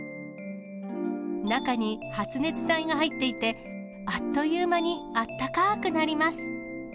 中に発熱剤が入っていて、あっという間にあったかーくなります。